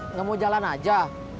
nggak mau jalan aja